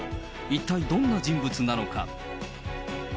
一体どんな人物なのか。